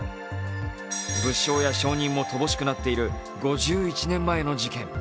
物証や証人も乏しくなっている５１年前の事件。